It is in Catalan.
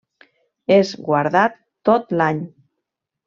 És guardat tot l'any.